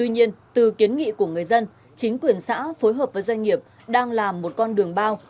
nhiên từ kiến nghị của người dân chính quyền xã phối hợp với doanh nghiệp đang làm một con đường bao